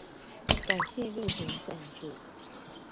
感謝熱情贊助